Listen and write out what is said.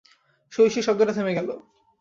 শই শই শব্দটা থেমে গেল।